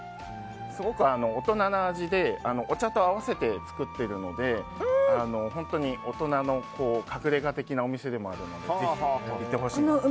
すごく大人の味でお茶と合わせて作っているので本当に大人の隠れ家的なお店でもあるのでぜひ行ってほしいです。